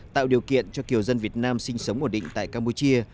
tạo điều kiện cho kiều dân việt nam sinh sống ổn định tại campuchia